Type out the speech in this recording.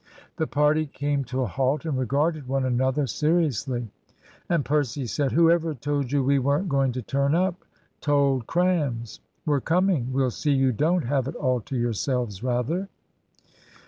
The party came to a halt and regarded one another seriously, and Percy said "Whoever told you we weren't going to turn up, told crams. We're coming. We'll see you don't have it all to yourselves, rather!"